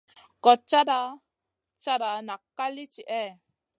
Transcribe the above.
Gochata chata nak ka li tihè?